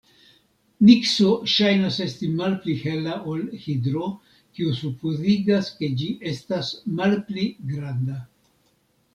Nikso ŝajnas esti malpli hela ol Hidro, kio supozigas, ke ĝi estas malpli granda.